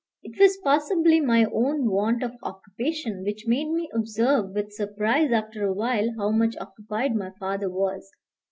It was possibly my own want of occupation which made me observe with surprise, after a while, how much occupied my father was.